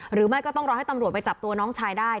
หรือไม่ก็ต้องรอให้ตำรวจไปจับตัวน้องชายได้